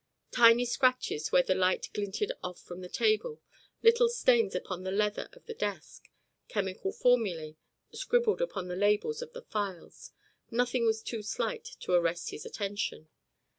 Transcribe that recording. Tiny scratches where the light glinted off from the table, little stains upon the leather of the desk, chemical formulae scribbled upon the labels of the phials nothing was too slight to arrest his attention.